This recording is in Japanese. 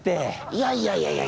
いやいやいやいや。